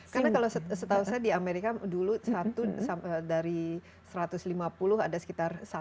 karena kalau setahu saya di amerika dulu satu dari satu ratus lima puluh ada sekitar satu